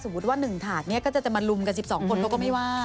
สมมติว่า๑ถาดนี้ก็จะมารุมกับ๑๒กฎเขาก็ไม่ว่า